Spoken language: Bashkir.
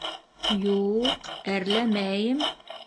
Ю-у-уҡ, әрләмәйем.